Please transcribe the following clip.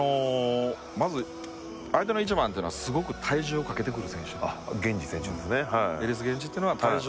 まず、相手の１番っていうのはすごく体重をかけてくる選手。